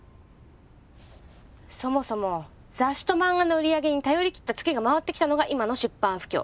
そもそも雑誌と漫画の売り上げに頼り切ったツケが回ってきたのが今の出版不況！